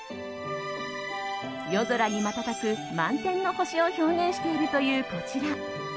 夜空に瞬く満天の星を表現しているというこちら。